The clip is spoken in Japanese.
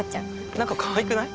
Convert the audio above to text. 何かかわいくない？